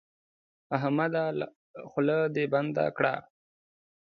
احمده خوله دې بنده کړه.